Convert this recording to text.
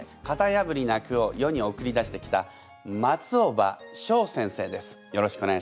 やぶりな句を世に送り出してきた松尾葉翔先生です。